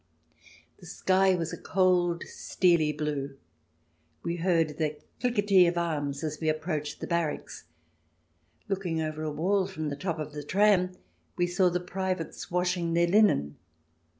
The sky was a cold steely blue ; we heard the cliquetis of arms as we approached the barracks. Looking over a wall from the top of the tram, we saw the privates washing their linen.